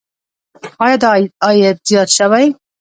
آیا دا عاید زیات شوی؟